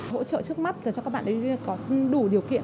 hỗ trợ trước mắt cho các bạn ấy có đủ điều kiện